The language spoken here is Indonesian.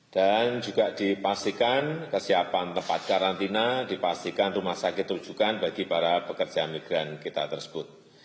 dan juga dipastikan kesiapan tempat karantina dipastikan rumah sakit rujukan bagi para pekerja migran kita tersebut